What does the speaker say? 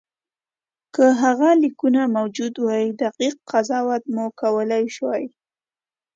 که هغه لیکونه موجود وای دقیق قضاوت مو کولای شوای.